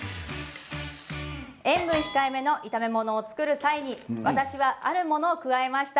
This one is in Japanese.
塩分控えめの炒め物を作る際に私はあるものを加えました。